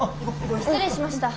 失礼しました。